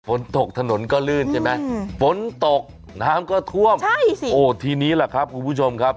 ฝนตกถนนก็ลื่นใช่ไหมฝนตกน้ำก็ท่วมใช่สิโอ้ทีนี้แหละครับคุณผู้ชมครับ